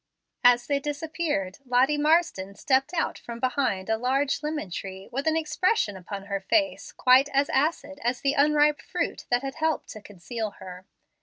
As they disappeared, Lottie Marsden stepped out from behind a large lemon tree, with an expression upon her face quite as acid as the unripe fruit that had helped to conceal her.